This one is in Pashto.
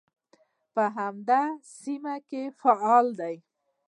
په همدې سیمه کې فعال دی.